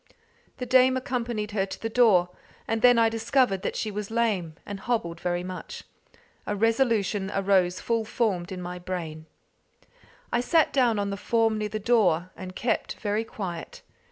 The dame accompanied her to the door, and then I discovered that she was lame, and hobbled very much. A resolution arose full formed in my brain. I sat down on the form near the door, and kept very quiet.